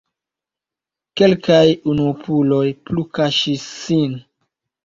Kelkaj unuopuloj plu kaŝis sin.